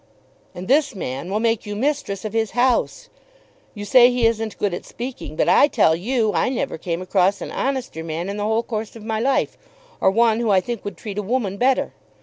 "And this man will make you mistress of his house. You say he isn't good at speaking; but I tell you I never came across an honester man in the whole course of my life, or one who I think would treat a woman better.